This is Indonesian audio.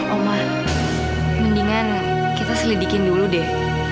omah mendingan kita selidikin dulu deh